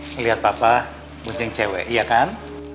ngeliat papa bunceng cewek iya kan